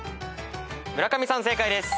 村上さん正解です。